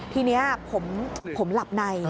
ทีนี้ผมหลับใน